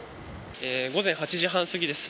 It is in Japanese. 午前８時半過ぎです。